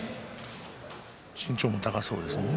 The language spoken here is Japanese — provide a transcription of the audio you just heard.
身長も高そうですね。